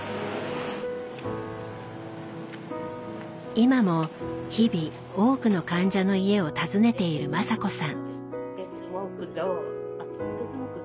今も日々多くの患者の家を訪ねている雅子さん。